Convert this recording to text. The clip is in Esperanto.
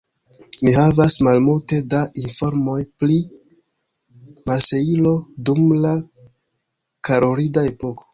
Ni havas malmulte da informoj pri Marsejlo dum la karolida epoko.